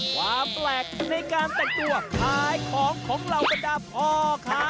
ความแปลกในการแต่งตัวขายของของเราก็จะพอค่ะ